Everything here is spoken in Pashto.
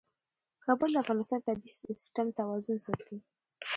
کابل د افغانستان د طبعي سیسټم توازن ساتي.